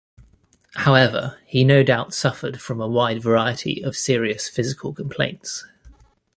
However, he no doubt suffered from a wide variety of serious physical complaints.